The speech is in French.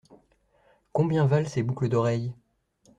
Combien valent ces boucles d’oreille ?